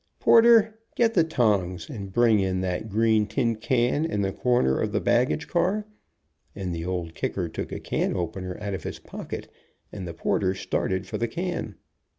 Por ter, get the tongs and bring in that green tin can in the corner of the baggage car," and the Old Kicker took a can opener out of his pocket, and the porter started for the can.